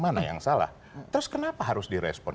mana yang salah terus kenapa harus direspon